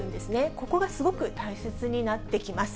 ここがすごく大切になってきます。